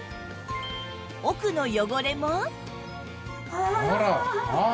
奥の汚れもああ！